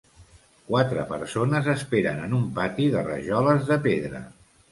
Quatre persones esperen en un pati de rajoles de pedra.